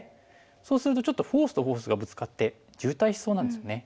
そうするとちょっとフォースとフォースがぶつかって渋滞しそうなんですよね。